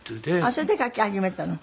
それで描き始めたの？